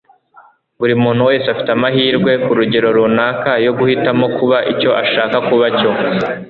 buri muntu wese afite amahirwe, ku rugero runaka, yo guhitamo kuba icyo ashaka kuba cyo